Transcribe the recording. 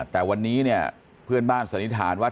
แต่วันนี้เนี่ยเพื่อนบ้านสันนิษฐานว่า